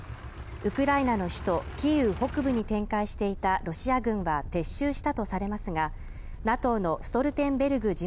ウクライナの首都キーウ北部に展開していたロシア軍は撤収したとされますがＮＡＴＯのストルテンベルグ